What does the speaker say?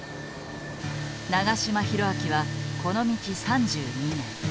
長島弘明はこの道３２年。